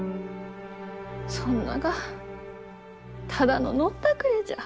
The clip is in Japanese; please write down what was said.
そんながただの飲んだくれじゃ。